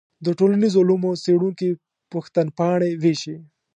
د ټولنیزو علومو څېړونکي پوښتنپاڼې ویشي.